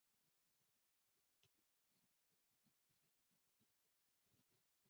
তিনি হার্টের সমস্যায় ভুগছেন, হাইপারট্রফিক নন-অবস্ট্রাকটিভ কার্ডিওমায়োপ্যাথি।